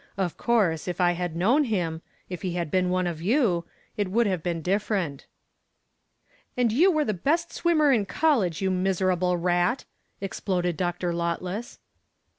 Of course if I had known him if he had been one of you it would have been different." "And you were the best swimmer in college, you miserable rat," exploded Dr. Lotless.